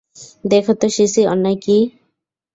দেখো তো সিসি, কী অন্যায়।